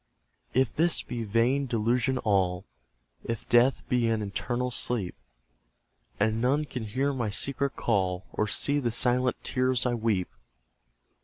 If this be vain delusion all, If death be an eternal sleep, And none can hear my secret call, Or see the silent tears I weep!